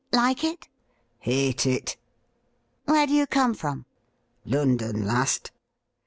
' Like it .?'' Hate it.' ' Where do you come from .?'' London last.'